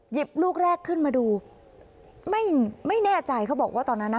ลูกแรกขึ้นมาดูไม่ไม่แน่ใจเขาบอกว่าตอนนั้นน่ะ